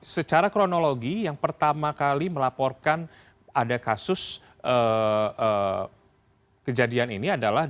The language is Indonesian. secara kronologi yang pertama kali melaporkan ada kasus kejadian ini adalah